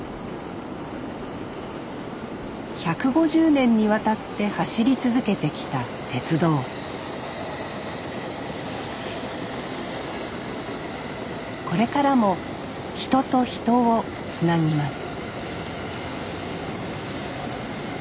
１５０年にわたって走り続けてきた鉄道これからも人と人をつなぎます